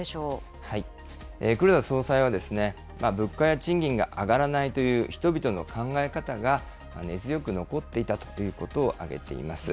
黒田総裁は物価や賃金が上がらないという、人々の考え方が根強く残っていたということを挙げています。